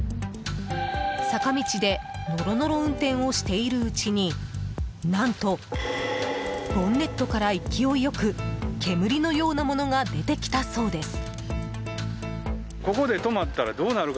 坂道でノロノロ運転をしているうちに何とボンネットから勢い良く煙のようなものが出てきたそうです。